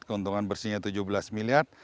keuntungan bersihnya tujuh belas miliar